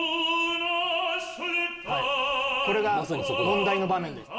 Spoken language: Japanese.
はいこれが問題の場面です。